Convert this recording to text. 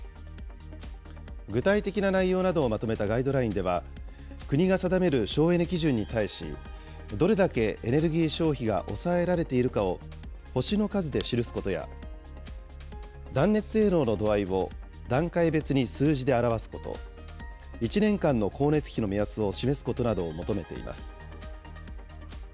具体的な内容などをまとめたガイドラインでは、国が定める省エネ基準に対し、どれだけエネルギー消費が抑えられているかを星の数で記すことや、断熱性能の度合いを段階別に数字で表すこと、１年間の光熱費の目安を示すことなどを求めています。